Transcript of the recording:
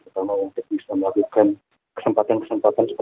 kita mau melakukan kesempatan kesempatan